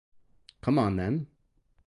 Come on then.